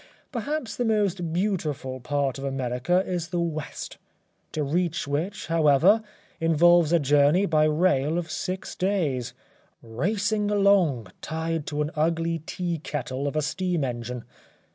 Perhaps the most beautiful part of America is the West, to reach which, however, involves a journey by rail of six days, racing along tied to an ugly tin kettle of a steam engine.